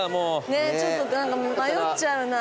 ねぇちょっと何か迷っちゃうな。